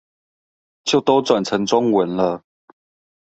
就都轉成中文了